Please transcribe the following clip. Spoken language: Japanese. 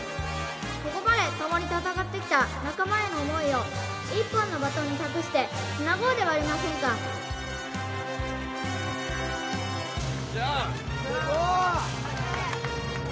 ここまで共に戦ってきた仲間への思いを１本のバトンに託してつなごうではありませんかよっしゃー！